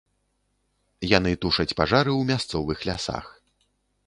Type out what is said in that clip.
Яны тушаць пажары ў мясцовых лясах.